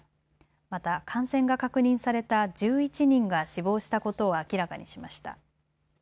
また、感染が確認された１１人が死亡したことを明らかにしました。